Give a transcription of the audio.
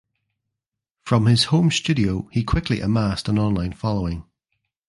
From his home studio he quickly amassed an online following.